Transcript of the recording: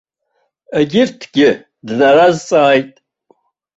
Егьырҭгьы днаразҵааит.